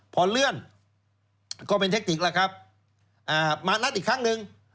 พอเลื่อนก็เป็นเทคนิคมานัดอีกครั้งหนึ่ง